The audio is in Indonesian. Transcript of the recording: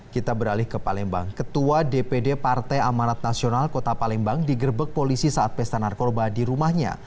kita beralih ke palembang ketua dpd partai amanat nasional kota palembang digerbek polisi saat pesta narkoba di rumahnya